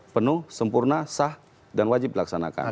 penuh sempurna sah dan wajib dilaksanakan